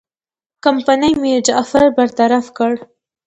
کمپنۍ میرجعفر برطرف کړ.